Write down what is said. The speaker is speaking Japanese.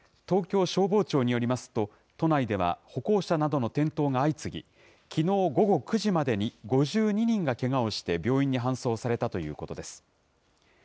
東京消防庁によりますと、都内では歩行者などの転倒が相次ぎ、きのう午後９時までに５２人がけがをして病院に搬送されたということです。